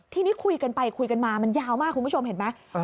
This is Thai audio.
ทีนี้คุยกันไปคุยกันมามันยาวมากคุณผู้ชมเห็นไหม